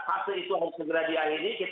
fase itu harus segera diakhiri